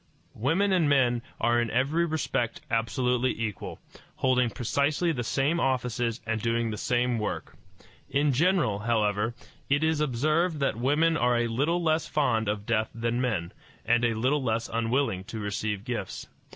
Women and men are in every respect absolutely equal, holding precisely the same offices and doing the same work. In general, however, it is observed that women are a little less fond of death than men, and a little less unwilling to receive gifts.